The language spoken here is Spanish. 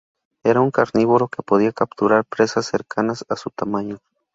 Era un carnívoro que podía capturar presas cercanas a su tamaño.